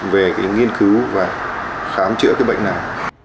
về cái nghiên cứu và khám chữa cái bệnh này